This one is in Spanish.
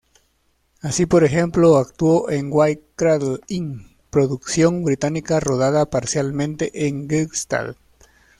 Así, por ejemplo, actuó en "White Cradle Inn", producción británica rodada parcialmente en Gstaad.